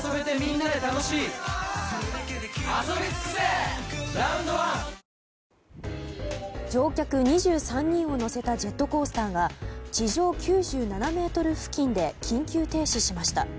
「サッポロクラフトスパイスソーダ」乗客２３人を乗せたジェットコースターが地上９７ｍ付近で緊急停止しました。